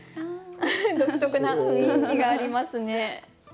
独特な雰囲気がありますね。